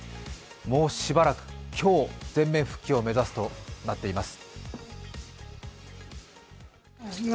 もうしばらく、今日、全面復旧を目指すとなっています。